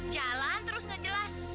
jalan terus nggak jelas